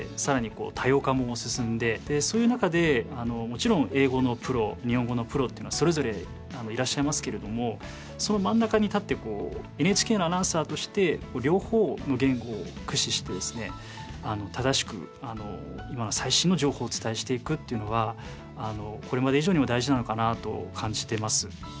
そういう中でもちろん英語のプロ日本語のプロっていうのはそれぞれいらっしゃいますけれどもその真ん中に立ってＮＨＫのアナウンサーとして両方の言語を駆使してですね正しく最新の情報をお伝えしていくっていうのはこれまで以上にも大事なのかなと感じてます。